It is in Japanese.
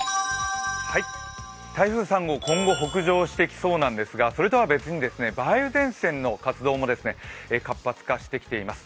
台風３号、今後北上してきそうなんですがそれとは別に梅雨前線の活動も活発化してきています。